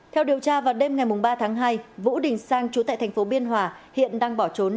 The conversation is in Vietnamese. theo điều tra vào đêm ngày ba tháng hai vũ đình sang chú tại thành phố biên hòa hiện đang bỏ trốn